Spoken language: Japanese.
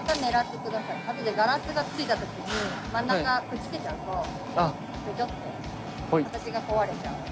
あとでガラスが付いた時に真ん中くっつけちゃうとベチョって形が壊れちゃうので。